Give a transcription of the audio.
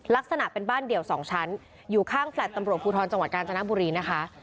ลักษณะเป็นบ้านเดี่ยว๒ชั้นอยู่ข้างแฟลต์ตำรวจภูทรจังหวัดกาญจนบุรีนะคะ